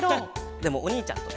でもおにいちゃんとね。